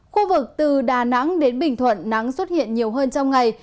khu vực từ đà nẵng đến bình thuận nắng xuất hiện nhiều hơn trong ngày